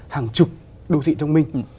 hàng chục đô thị thông minh